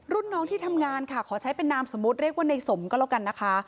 รุ่นน้องที่ทำงานค่ะขอใช้เป็นนามสมมุติเรียกว่าในสมก็แล้วกันนะคะ